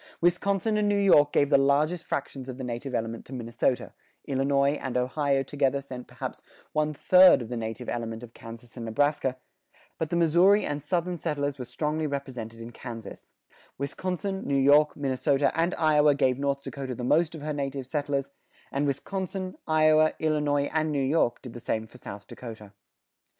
Wisconsin and New York gave the largest fractions of the native element to Minnesota; Illinois and Ohio together sent perhaps one third of the native element of Kansas and Nebraska, but the Missouri and Southern settlers were strongly represented in Kansas; Wisconsin, New York, Minnesota, and Iowa gave North Dakota the most of her native settlers; and Wisconsin, Iowa, Illinois, and New York did the same for South Dakota.